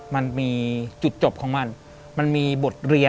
มีครับ